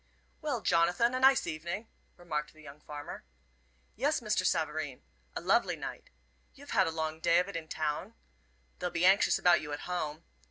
"Well, Jonathan, a nice evening," remarked the young farmer. "Yes, Mr. Savareen a lovely night. You've had a long day of it in town. They'll be anxious about you at home.